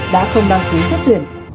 đã không đăng ký sách tuyển